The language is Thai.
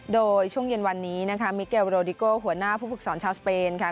โดยช่วงเย็นวันนี้นะคะมิเกลโรดิโกหัวหน้าผู้ฝึกสอนชาวสเปนค่ะ